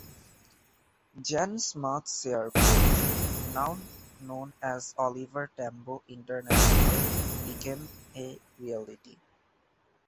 Jan Smuts airport, now known as Oliver Tambo International became a reality.